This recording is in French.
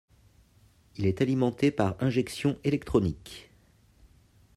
Il est alimenté par injection électronique.